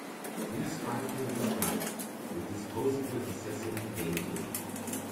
Please find me the Scud: The Disposable Assassin painting.